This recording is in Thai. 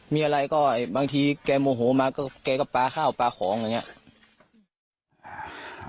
มีอะไรก็บางทีแกโมโหมาแกก็ปาข้าวปาของเนี่ย